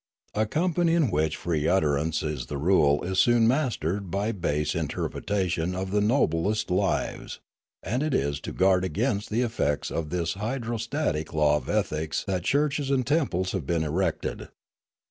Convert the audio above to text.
A company in which free utterance is the rule is soon mastered by base interpretation of the noblest lives, and it is to guard against the effects of this hydrostatic law of ethics that churches and temples have been erected.